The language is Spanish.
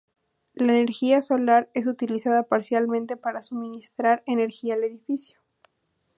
La energía solar es utilizada parcialmente para suministrar energía al edificio.